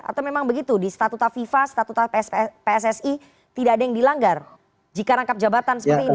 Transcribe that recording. atau memang begitu di statuta fifa statuta pssi tidak ada yang dilanggar jika rangkap jabatan seperti ini